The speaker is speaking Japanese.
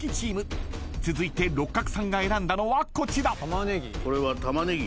［続いて六角さんが選んだのはこちら］